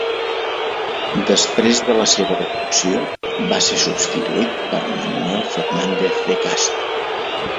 Després de la seva defunció va ser substituït per Manuel Fernández de Castro.